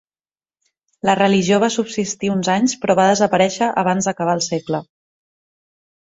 La religió va subsistir uns anys però va desaparèixer abans d'acabar el segle.